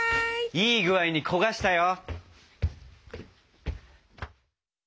いい具合に焦がしたよ！